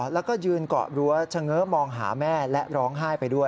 แล้วก็ยืนเกาะรั้วเฉง้อมองหาแม่และร้องไห้ไปด้วย